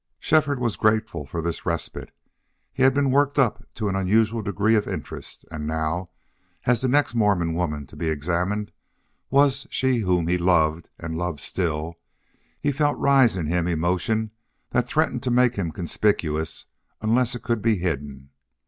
Shefford was grateful for this respite. He had been worked up to an unusual degree of interest, and now, as the next Mormon woman to be examined was she whom he had loved and loved still, he felt rise in him emotion that threatened to make him conspicuous unless it could be hidden.